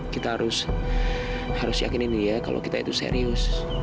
kita harus yakinin dia kalau kita itu serius